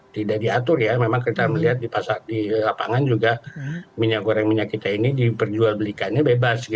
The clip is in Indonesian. tidak diatur ya memang kita melihat di lapangan juga minyak goreng minyak kita ini diperjual belikannya bebas